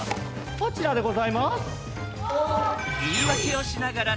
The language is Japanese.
こちらでございまーす。